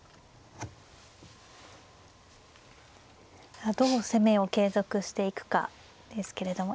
さあどう攻めを継続していくかですけれども。